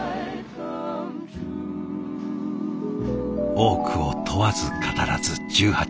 多くを問わず語らず１８年。